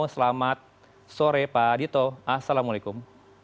selamat sore pak dito assalamualaikum